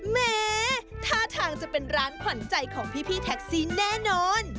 แม้ท่าทางจะเป็นร้านขวัญใจของพี่แท็กซี่แน่นอน